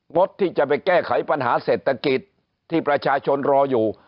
งดที่จะไปแก้ไขปัญหาเศรษฐกิจที่ประชาชนรออยู่